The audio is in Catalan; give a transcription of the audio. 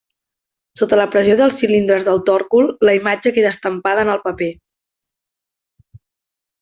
Sota la pressió dels cilindres del tòrcul la imatge queda estampada en el paper.